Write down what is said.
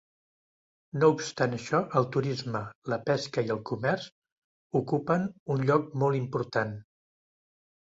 No obstant això el turisme, la pesca i el comerç ocupen un lloc molt important.